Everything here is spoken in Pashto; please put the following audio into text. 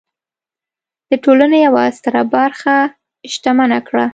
د ټولنې یوه ستره برخه شتمنه کړه.